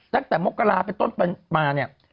ตั้งแต่มกราเป็นต้นมาเนี่ย